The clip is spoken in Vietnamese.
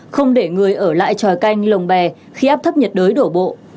không để người ở lại tròi canh lồng bè khi áp thấp nhiệt đới đổ bộ